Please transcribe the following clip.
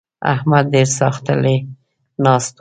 احمد ډېر ساختلی ناست وو.